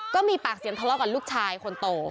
ก็มีปากเสียงทะเลาะกับลูกชายคนโต